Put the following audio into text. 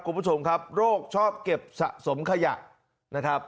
คุณผู้ชมครับโรคชอบเก็บสะสมขยะนะครับ